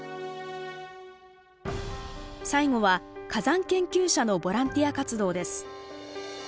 最後は火山研究者のボランティア活動です。